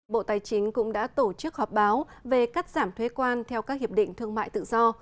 bộ tài chính cũng đã tổ chức họp báo về cắt giảm thuế quan theo các hiệp định thương mại tự do